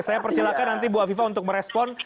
saya persilakan nanti bu aviva untuk merespon